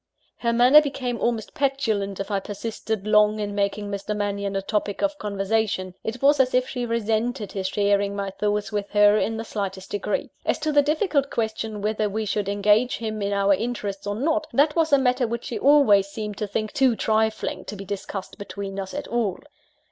Her manner became almost petulant, if I persisted long in making Mr. Mannion a topic of conversation it was as if she resented his sharing my thoughts with her in the slightest degree. As to the difficult question whether we should engage him in our interests or not, that was a matter which she always seemed to think too trifling to be discussed between us at all.